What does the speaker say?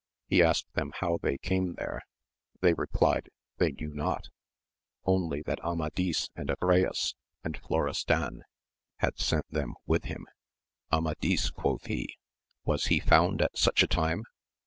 He asked them how they came there : they replied, they knew not ; only that Amadis and Agrayes, and Morestan, had sent them with him. Amadis, quoth he, was he found at such a time?